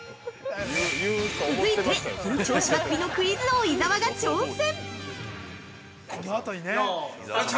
◆続いて、緊張しまくりのクイズ王・伊沢が挑戦！